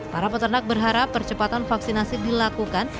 para peternak berharap percepatan vaksinasi dilakukan